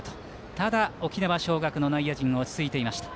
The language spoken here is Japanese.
ただ、沖縄尚学の内野陣落ち着いていました。